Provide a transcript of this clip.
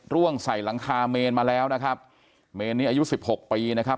ร่วงใส่หลังคาเมนมาแล้วนะครับเมนนี้อายุสิบหกปีนะครับ